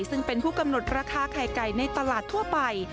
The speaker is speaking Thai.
ซึ่งเป็นสมุนิตรราคาไข่ไก่ที่ตลาดทั่วไป